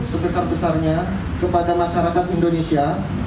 sebesar besarnya kepada masyarakat indonesia